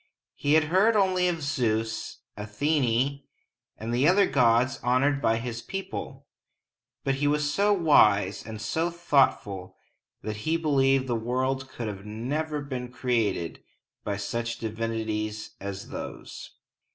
He had heard only of Zeus, Athene, and the other gods honored by his people; but he was so wise and so thoughtful that he believed the world could never have been created by such divinities as those.